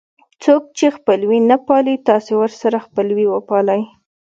څوک چې خپلوي نه پالي تاسې ورسره خپلوي وپالئ.